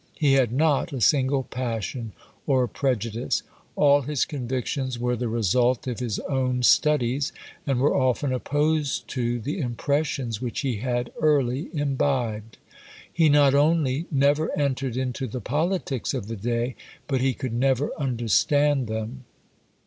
He had not a single passion or prejudice: all his convictions were the result of his own studies, and were often opposed to the impressions which he had early imbibed. He not only never entered into the politics of the day, but he could never understand them.